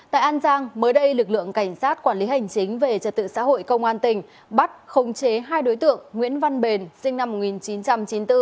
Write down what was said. tại an giang mới đây lực lượng cảnh sát quản lý hành chính về trật tự xã hội công an tỉnh bắt khống chế hai đối tượng nguyễn văn bền sinh năm một nghìn chín trăm chín mươi bốn